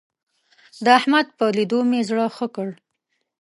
د احمد په ليدو مې زړه ښه کړ.